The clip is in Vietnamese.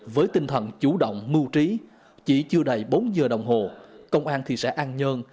với tinh thần chủ động mưu trí chỉ chưa đầy bốn giờ đồng hồ công an thị xã an nhơn